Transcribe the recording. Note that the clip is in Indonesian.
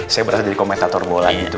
saya berhasil jadi komentator bola gitu